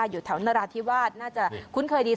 อยู่แถวนราธิวาสน่าจะคุ้นเคยดี